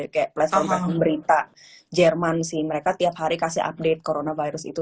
kayak platform platform berita jerman sih mereka tiap hari kasih update coronavirus itu